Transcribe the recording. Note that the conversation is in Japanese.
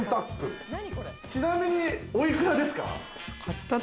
ちなみにお幾らですか？